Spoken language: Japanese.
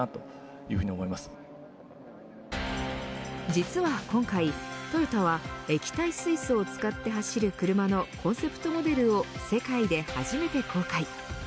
実は今回トヨタは液体水素を使って走る車のコンセプトモデルを世界で初めて公開。